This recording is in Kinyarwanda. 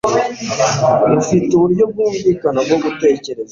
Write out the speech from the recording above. Ufite uburyo bwumvikana bwo gutekereza.